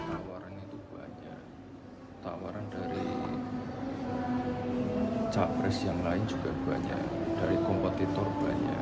tawaran itu banyak tawaran dari cawapres yang lain juga banyak